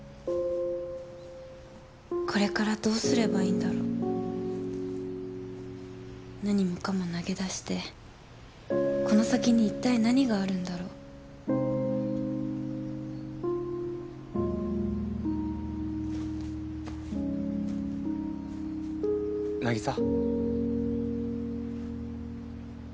これからどうすればいいんだろう何もかも投げ出してこの先にいったい何があるんだろう凪沙。